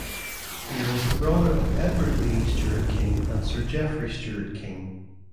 He was the brother of Edward Leigh Stuart King and Sir Geoffrey Stuart King.